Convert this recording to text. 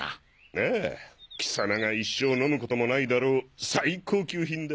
あぁ貴様が一生飲むこともないだろう最高級品だ。